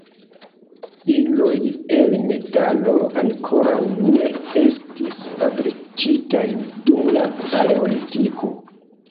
Iloj el metalo ankoraŭ ne estis fabrikitaj dum la paleolitiko.